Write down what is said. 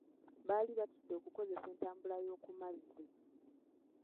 Baali batidde okukozesa entambula y'oku mazzi.